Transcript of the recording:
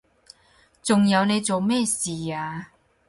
仲有你做咩事啊？